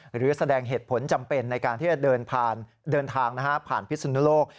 หรือแสดงเหตุผลจำเป็นในการที่จะเดินทางผ่านพิศนุโลก